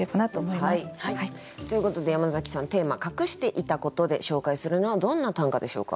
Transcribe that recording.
ということで山崎さんテーマ「隠していたこと」で紹介するのはどんな短歌でしょうか？